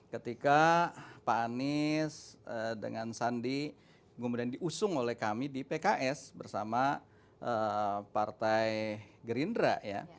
ketika pak anies dengan sandi kemudian diusung oleh kami di pks bersama partai gerindra ya